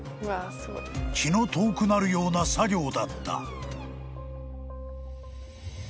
［気の遠くなるような作業だった］